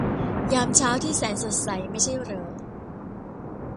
ยามเช้าที่แสนสดใส ไม่ใช่เหรอ